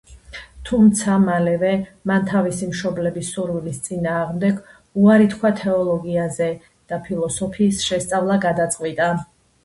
თუმცა, მალევე, მან თავისი მშობლების სურვილის წინააღმდეგ, უარი თქვა თეოლოგიაზე და ფილოსოფიის შესწავლა გადაწყვიტა.